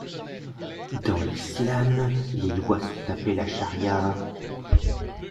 Dans l'Islam, les lois sont appelées la Charia.